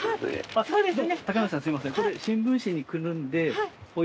あぁそうですか。